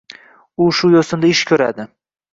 U shu yo‘sinida ish ko‘radi.